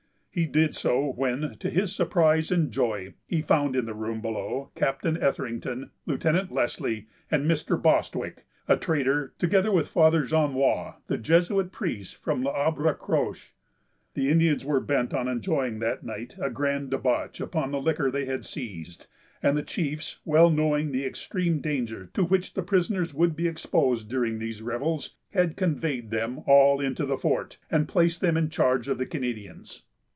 He did so, when, to his surprise and joy, he found, in the room below, Captain Etherington, Lieutenant Leslie, and Mr. Bostwick, a trader, together with Father Jonois, the Jesuit priest from L'Arbre Croche. The Indians were bent on enjoying that night a grand debauch upon the liquor they had seized; and the chiefs, well knowing the extreme danger to which the prisoners would be exposed during these revels, had conveyed them all into the fort, and placed them in charge of the Canadians.